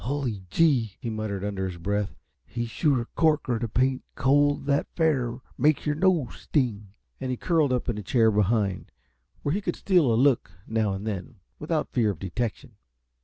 "Hully gee," he muttered under his breath, "he's sure a corker t' paint cold that fair makes yer nose sting." And he curled up in a chair behind, where he could steal a look, now and then, without fear of detection.